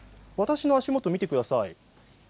私の足元を見てください。